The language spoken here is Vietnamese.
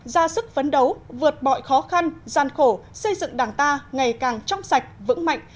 ra sức phấn đấu vượt bọi khó khăn gian khổ xây dựng đảng ta ngày càng trong sạch vững mạnh